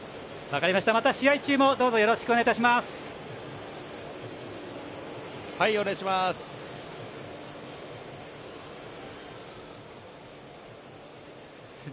試合中もどうぞよろしくお願いします。